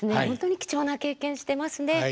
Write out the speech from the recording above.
本当に貴重な経験してますね。